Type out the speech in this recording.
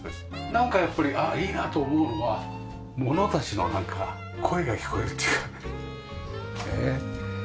なんかやっぱりあっいいなと思うのはものたちのなんか声が聞こえるっていうかねえ。